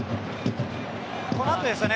このあとですよね。